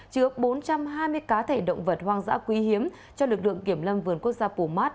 trước bốn trăm hai mươi cá thể động vật hoang dã quý hiếm cho lực lượng kiểm lâm vườn quốc gia pumat